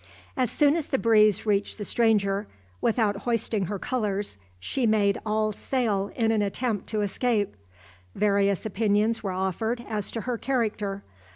As soon as the breeze reached the stranger, without hoisting her colours, she made all sail in an attempt to escape. Various opinions were offered as to her character.